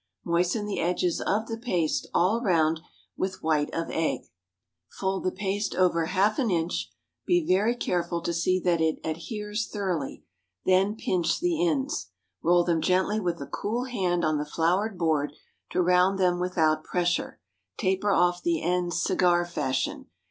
Moisten the edges of the paste all round with white of egg; fold the paste over half an inch; be very careful to see that it adheres thoroughly; then pinch the ends. Roll them gently with a cool hand on the floured board to round them without pressure, taper off the ends cigar fashion.